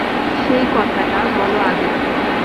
সেই কথাটা বলো আগে।